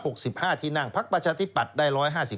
ว่า๖๕ที่นั่งพักประชาธิปัตย์ได้๑๕๙